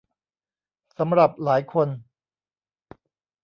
สำหรับหลายคน